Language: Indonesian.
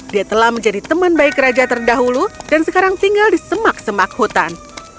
dia telah menjadi teman baik raja terdahulu dan sekarang tinggal di semak semak hutan